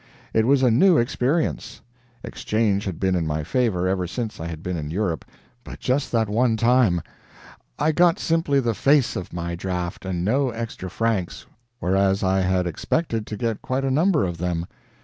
It was a new experience. Exchange had been in my favor ever since I had been in Europe, but just that one time. I got simply the face of my draft, and no extra francs, whereas I had expected to get quite a number of them.